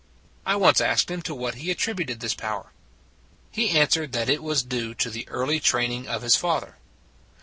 " I once asked him to what he attributed this power. " He answered that it was due to the early training of his father.